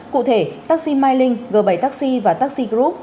cụ thể taxi mylink g bảy taxi và taxi group